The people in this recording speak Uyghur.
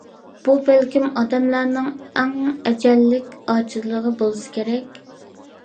بۇ بەلكىم ئادەملەرنىڭ ئەڭ ئەجەللىك ئاجىزلىقى بولسا كېرەك.